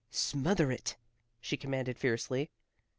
"Smother it," she commanded fiercely.